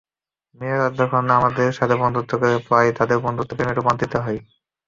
মেয়েরা যখন আমার সাথে বন্ধুত্ব করে, প্রায়ই তাদের বন্ধুত্ব প্রেমে রূপান্তরিত হয়।